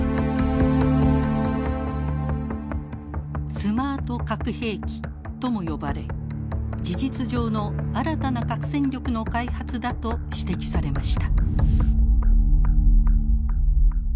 スマート核兵器とも呼ばれ事実上の新たな核戦力の開発だと指摘されました。